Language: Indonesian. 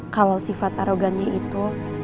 kalau sifat arogannya itu